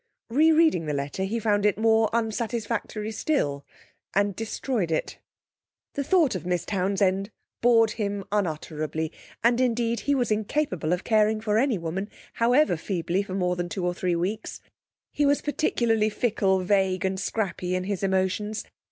Re reading the letter, he found it more unsatisfactory still, and destroyed it. The thought of Miss Townsend bored him unutterably; and indeed he was incapable of caring for any woman (however feebly) for more than two or three weeks. He was particularly fickle, vague, and scrappy in his emotions.